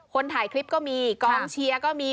คนถ่ายคลิปก็มีกองเชียร์ก็มี